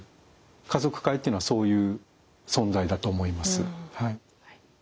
家族会っていうのはそういう存在だと思います。